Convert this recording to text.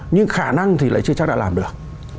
nhưng khả năng thì lại chưa chắc đã làm được